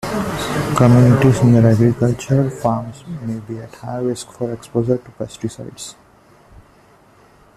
Communities near agricultural farms may be at higher risk for exposure to pesticides.